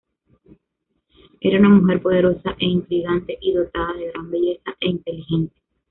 Era una mujer poderosa e intrigante y dotada de gran belleza e inteligencia.